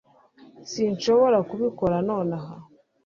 sinshobora kubikora nonaha